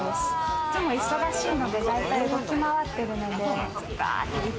いつも忙しいので大体動き回ってるので。